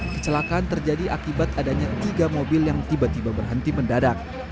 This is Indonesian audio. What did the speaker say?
kecelakaan terjadi akibat adanya tiga mobil yang tiba tiba berhenti mendadak